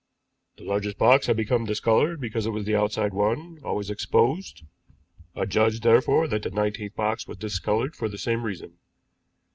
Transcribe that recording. "The largest box had become discolored because it was the outside one, always exposed; I judged therefore that the nineteenth box was discolored for the same reason.